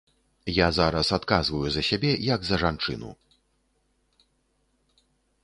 Я зараз адказваю за сябе як за жанчыну.